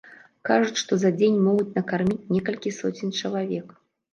Кажуць, што за дзень могуць накарміць некалькі соцень чалавек.